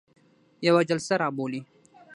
یوه جلسه را بولي.